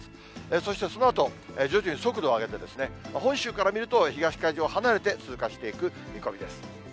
そしてそのあと、徐々に速度を上げて、本州から見ると、東海上を離れて通過していく見込みです。